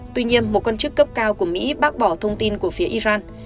tuy nhiên một quan chức cấp cao của mỹ bác bỏ thông tin của phía iran